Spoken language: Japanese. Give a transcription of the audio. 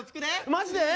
マジで？